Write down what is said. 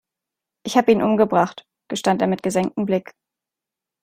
Ich habe ihn umgebracht, gestand er mit gesenktem Blick.